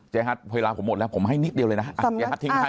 เจฮัทเวลาผมหมดแล้วผมให้นิดเดียวเลยนะครับ